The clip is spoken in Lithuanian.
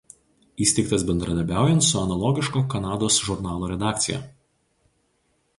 Įsteigtas bendradarbiaujant su analogiško Kanados žurnalo redakcija.